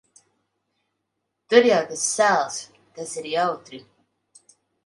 Tur jau tas sāls. Tas ir jautri.